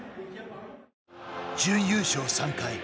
準優勝３回。